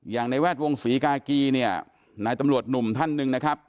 ในแวดวงศรีกากีเนี่ยนายตำรวจหนุ่มท่านหนึ่งนะครับ